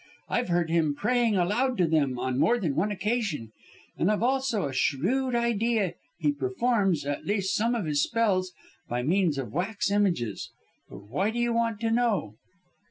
I've heard him praying aloud to them on more than one occasion, and I've also a shrewd idea he performs, at least, some of his spells by means of wax images. But why do you want to know?"